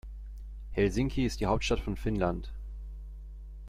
Helsinki ist die Hauptstadt von Finnland.